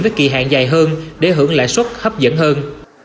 với kỳ hạn dài hơn để hưởng lãi suất hấp dẫn hơn